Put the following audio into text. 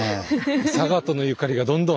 佐賀とのゆかりがどんどん。